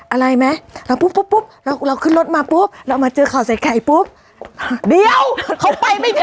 อะไรไหมเราปุ๊บปุ๊บเราขึ้นรถมาปุ๊บเรามาเจอข่าวใส่ไข่ปุ๊บเดี๋ยวเขาไปไม่พอ